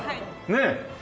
ねえ。